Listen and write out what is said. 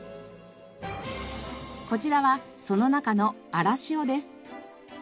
こちらはその中のあらしおです。